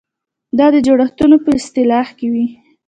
دا د جوړښتونو په اصلاح کې وي.